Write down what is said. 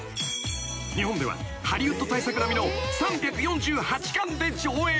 ［日本ではハリウッド大作並みの３４８館で上映が］